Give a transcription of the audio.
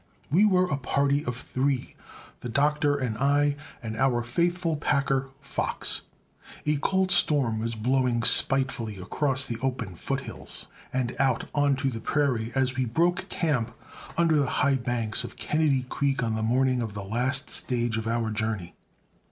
We were a party of three, the Doctor and I, and our faithful packer, Fox. A cold storm was blowing spitefully across the open foothills and out on to the prairie as we broke camp under the high banks of Kennedy Creek on the morning of the last stage of our journey.